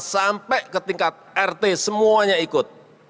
sampai ke tingkat rt semuanya ikut